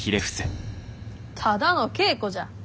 ただの稽古じゃ。